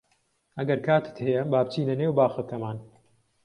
ئەگەر کاتت هەیە با بچینە نێو باخەکەمان.